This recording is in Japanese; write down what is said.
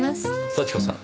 幸子さん